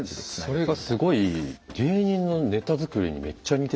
それがすごい芸人のネタづくりにめっちゃ似てて。